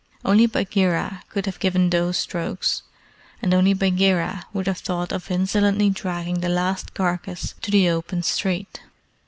Only Bagheera could have given those strokes, and only Bagheera would have thought of insolently dragging the last carcass to the open street.